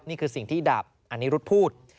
นี่คือสิ่งที่ดาบอนิรุธพูด